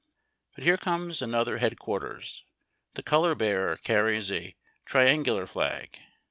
But here comes another headquarters. The color bearer carries a tria^igular flag.